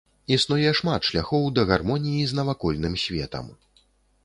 Існуе шмат шляхоў да гармоніі з навакольным светам.